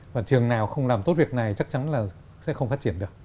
và trường nào không làm tốt việc này chắc chắn là sẽ không phát triển được